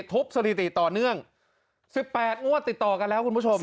สถิติต่อเนื่อง๑๘งวดติดต่อกันแล้วคุณผู้ชม